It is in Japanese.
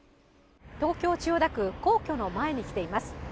東京・千代田区、皇居の前に来ています。